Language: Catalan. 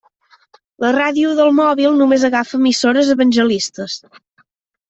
La ràdio del mòbil només agafa emissores evangelistes.